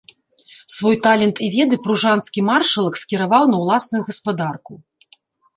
Свой талент і веды пружанскі маршалак скіраваў на ўласную гаспадарку.